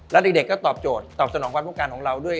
และเด็กก็ตอบโจทย์ตอบสนองความพบการณ์ของเรา